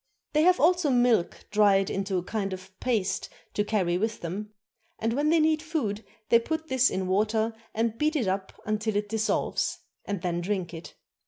They have also milk dried into a kind of paste to carry with them; and when they need food they put this in water and beat it up till it dissolves, and then drink it.